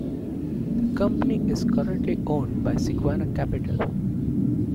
The company is currently owned by Sequana Capital.